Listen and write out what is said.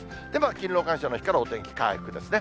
勤労感謝の日から、お天気回復ですね。